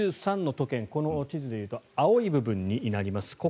１３の都県この地図で言うと青い部分です。